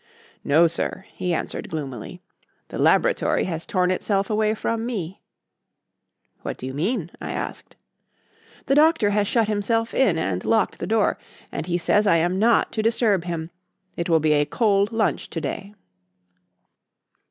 "No, sir," he answered gloomily. "The laboratory has torn itself away from me." "What do you mean?" I asked. "The Doctor has shut himself in and locked the door, and he says I am not to disturb him. It will be a cold lunch to day."